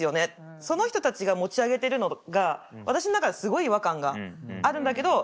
その人たちが持ち上げてるのが私の中ですごい違和感があるんだけどま